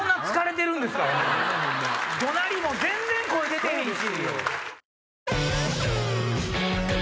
どなりも全然声出てへんし。